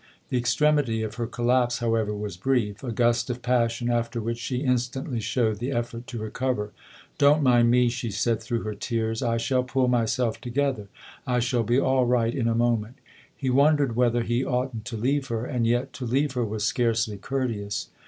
The extremity of her collapse, however, was brief, a gust of passion after which she instantly showed the effort to recover. " Don't mind me," she said through her tears ;" I shall pull myself together ; I shall be all right in a moment." He wondered whether he oughtn't to leave her; and yet to leave her was scarcely courteous.